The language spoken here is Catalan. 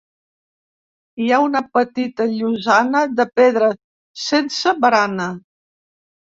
Hi ha una petita llosana de pedra, sense barana.